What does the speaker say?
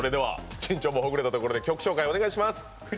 緊張もほぐれたところで曲紹介お願いします。